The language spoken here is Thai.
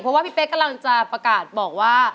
เพราะว่าพี่เป๊กกำลังจะประกาศบอกว่า